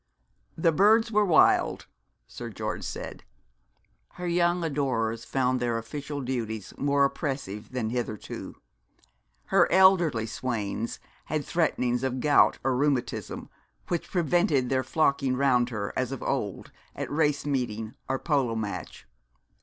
'The birds were wild,' Sir George said. Her young adorers found their official duties more oppressive than hitherto; her elderly swains had threatenings of gout or rheumatism which prevented their flocking round her as of old at race meeting or polo match.